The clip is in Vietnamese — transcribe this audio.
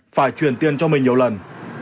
phải chuyển tiền cho mình nhiều lần